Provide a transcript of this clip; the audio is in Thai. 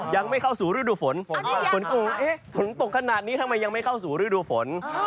ยังไม่เข้าสู่ฤดูฝนฝนก็งงเอ๊ะฝนตกขนาดนี้ทำไมยังไม่เข้าสู่ฤดูฝน